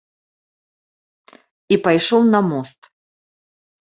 І пайшоў на мост.